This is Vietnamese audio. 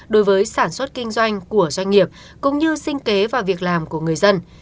đối với sản xuất kinh doanh của doanh nghiệp cũng như sinh kế và việc làm của người dân